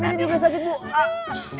ini juga sakit bu